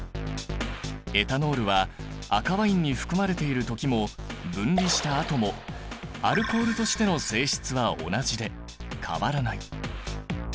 エタノールは赤ワインに含まれている時も分離したあともアルコールとしての性質は同じで変わらない。